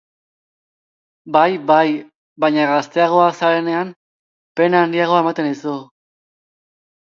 Bai, bai, baina gazteagoa zarenean pena handiagoa ematen dizu.